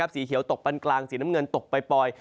สีเขียวตกปันกลางสีน้ำเงินตกปล่อย